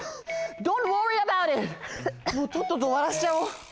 もうとっととおわらしちゃおう。